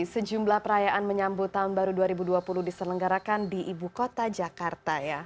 sejumlah perayaan menyambut tahun baru dua ribu dua puluh diselenggarakan di ibu kota jakarta